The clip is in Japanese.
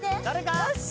よし！